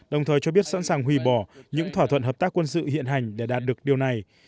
đồng thời cho biết sẵn sàng hủy bỏ những thỏa thuận hợp tác quân sự hiện hành để đạt được điều này